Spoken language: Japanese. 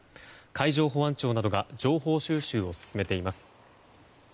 海上保安庁などが情報収集を進めています。